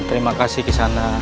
terima kasih ishana